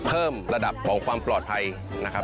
เพิ่มระดับของความปลอดภัยนะครับ